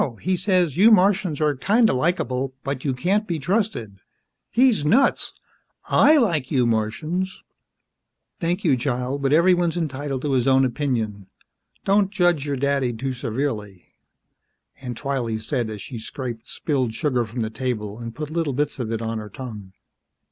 He says, you Martians are kinda likeable, but you can't be trusted. He's nuts! I like you Martians!" "Thank you, child, but everyone's entitled to his own opinion. Don't judge your daddy too severely," Aunt Twylee said as she scraped spilled sugar from the table and put little bits of it on her tongue.